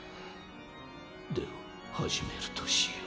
では始めるとしよう。